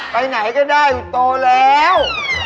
ไปไหนก็ได้โตแล้ว